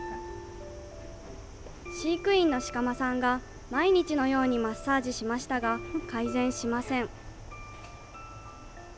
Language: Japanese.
飼育員の鹿間さんが毎日のようにマッサージしましたが改善しません。